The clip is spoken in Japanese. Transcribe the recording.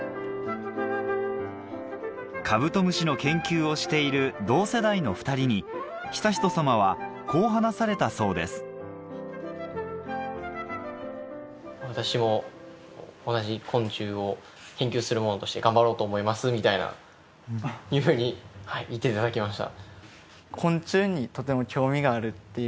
カブトムシの研究をしている同世代の２人に悠仁さまはこう話されたそうですみたいないうふうに言っていただきました。